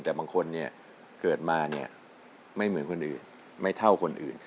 แต่บางคนเกิดมาไม่เหมือนคนอื่นไม่เท่าคนอื่น